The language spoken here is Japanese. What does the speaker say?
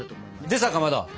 でさかまど！